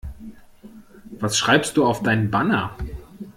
Was schreibst du auf dein Banner?